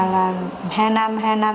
là hai năm hai năm